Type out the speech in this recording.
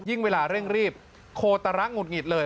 เวลาเร่งรีบโคตระหงุดหงิดเลย